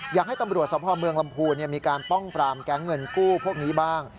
อยากให้ตำรวจสภเมืองลำพูนมีการป้องปรามแก๊งเงินกู้พวกนี้บ้าง